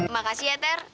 makasih ya ter